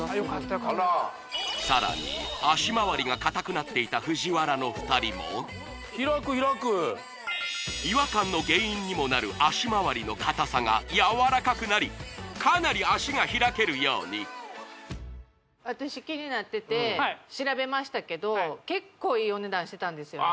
さらに脚回りが硬くなっていたＦＵＪＩＷＡＲＡの２人も開く開く違和感の原因にもなる脚回りの硬さがやわらかくなりかなり脚が開けるように私気になってて調べましたけど結構いいお値段してたんですよね